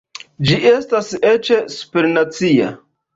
Ĝi estas eĉ supernacia.